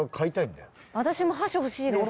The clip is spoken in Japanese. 私も箸欲しいです。